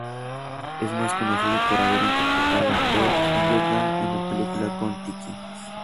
Es más conocido por haber interpretado a Thor Heyerdahl en la película "Kon-Tiki".